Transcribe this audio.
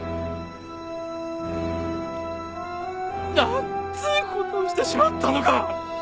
何つうことをしてしまったのか！